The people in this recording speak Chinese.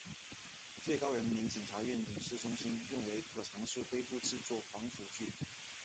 最高人民检察院影视中心认为可尝试恢复制作反腐剧。